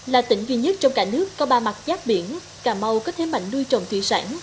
là tỉnh duy nhất trong cả nước có ba mặt giác biển cà mau có thế mạnh nuôi trồng thủy sản